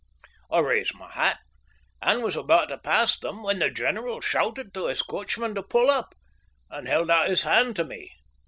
I raised my hat, and was about to pass them, when the general shouted to his coachman to pull up, and held out his hand to me.